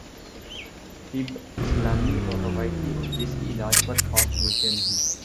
طب اسلامی اور روایتی اور دیسی علاج پرخاص توجہ نہیں